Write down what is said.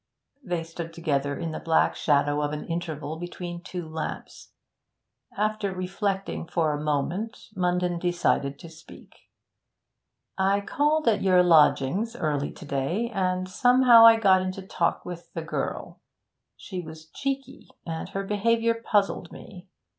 They stood together in the black shadow of an interval between two lamps. After reflecting for a moment, Munden decided to speak. 'I called at your lodgings early to day, and somehow I got into talk with the girl. She was cheeky, and her behaviour puzzled me.